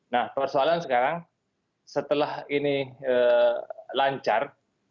nah persoalan sekarang setelah ini lancar